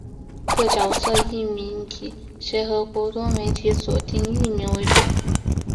各角色译名以协和国际多媒体所定译名为准。